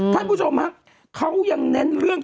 ท่านผู้ชมครับเขายังเน้นเรื่อง